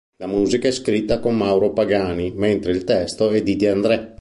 La musica è scritta con Mauro Pagani, mentre il testo è di De André.